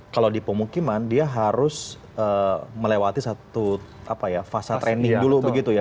kalau di pemukiman dia harus melewati satu fase training dulu begitu ya